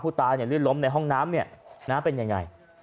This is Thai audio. ตายลื่นล้มในห้องน้ำเป็นยังไง